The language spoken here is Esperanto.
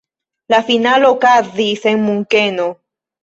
La finalo okazis en Munkeno.